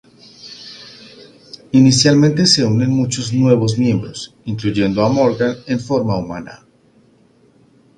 Inicialmente se unen muchos nuevos miembros, incluyendo a Morgan en forma humana.